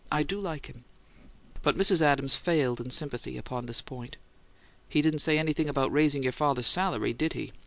I do like him." But Mrs. Adams failed in sympathy upon this point. "He didn't say anything about raising your father's salary, did he?"